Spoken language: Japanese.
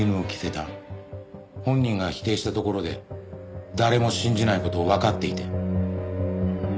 本人が否定したところで誰も信じない事をわかっていて。